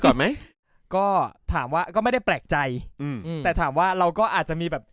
ก่อนไหมก็ถามว่าก็ไม่ได้แปลกใจอืมแต่ถามว่าเราก็อาจจะมีแบบ